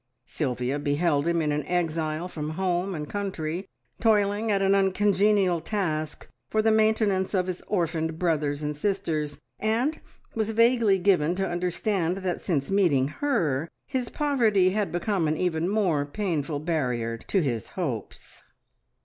Sylvia beheld in him an exile from home and country, toiling at an uncongenial task, for the maintenance of his orphaned brothers and sisters, and was vaguely given to understand that since meeting her, his poverty had become an even more painful barrier to his hopes.